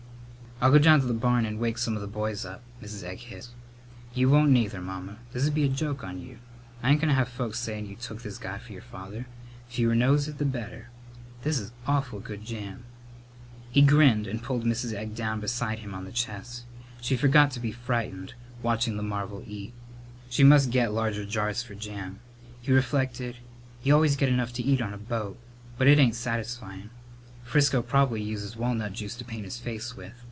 "I'll go down to the barn and wake some of the boys up," Mrs. Egg hissed. "You won't neither, Mamma. This'd be a joke on you. I ain't goin' to have folks sayin' you took this guy for your father. Fewer knows it, the better. This is awful good jam." He grinned and pulled Mrs. Egg down beside him on the chest. She forgot to be frightened, watching the marvel eat. She must get larger jars for jam. He reflected: "You always get enough to eat on a boat, but it ain't satisfyin'. Frisco prob'ly uses walnut juice to paint his face with.